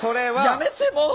やめてもう。